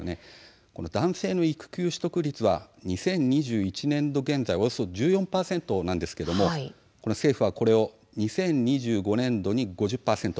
男性育休取得率は２０２１年度現在およそ１４％なんですが政府はこれを２０２５年度に５０％